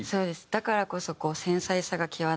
だからこそ繊細さが際立って。